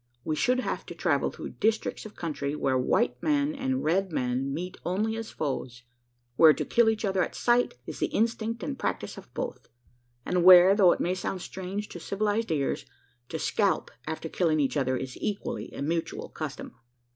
We should have to travel through districts of country, where white man and red man meet only as foes; where to kill each other at sight is the instinct and practice of both; and where, though it may sound strange to civilised ears, to scalp, after killing each other, is equally a mutual custom!